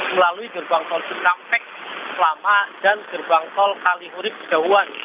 melalui gerbang tol cikatampek selama dan gerbang tol kalihurit jawa